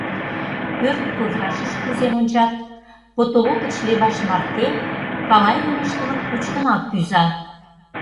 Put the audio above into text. Пӧрт туврашыш кӱзен ончат: потолок гыч леваш марте калай дене ыштыме пуч гына кӱза.